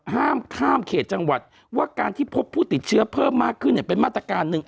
ห้ามข้ามเขตจังหวัดว่าการที่พบผู้ติดเชื้อเพิ่มมากขึ้นเนี่ยเป็นมาตรการหนึ่ง